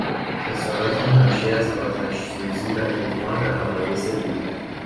خسارات ناشی از آتشسوزی و توفان و حوادث دیگر